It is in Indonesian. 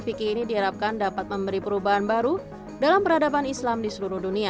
fikih ini diharapkan dapat memberi perubahan baru dalam peradaban islam di seluruh dunia